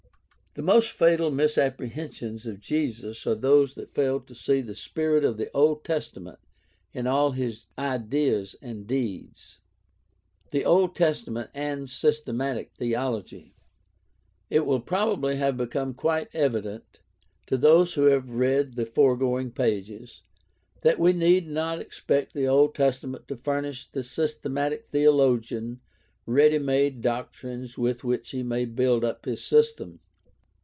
The most fatal misapprehensions of Jesus are those that fail to see the spirit of the Old Testament in all his ideas and deeds. ^ The Old Testament and systematic theology. — It will probably have become quite evident, to those who have read the foregoing pages, that we need not expect the Old Tes tament to furnish the systematic theologian ready made doctrines with which he may build up his system.